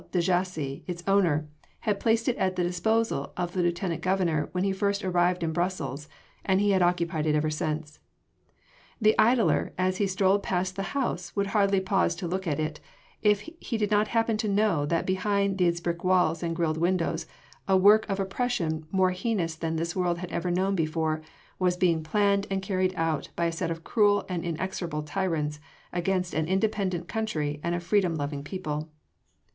de Jassy, its owner, had placed it at the disposal of the Lieutenant Governor when first he arrived in Brussels, and he had occupied it ever since. The idler as he strolled past the house would hardly pause to look at it, if he did not happen to know that behind those brick walls and grilled windows a work of oppression more heinous than this world had ever known before, was being planned and carried on by a set of cruel and execrable tyrants against an independent country and a freedom loving people.